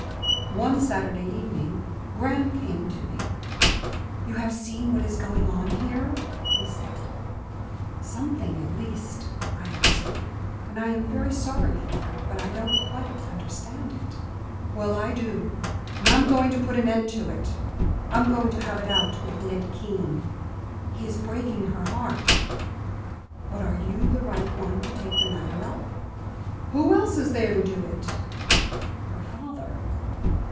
One Saturday evening, Graham came to me. "You have seen what is going on here?" he said. "Something, at least," I answered, "and I am very sorry for it. But I don't quite understand it." "Well, I do; and I'm going to put an end to it. I'm going to have it out with Ned Keene. He is breaking her heart." "But are you the right one to take the matter up?" "Who else is there to do it?" "Her father."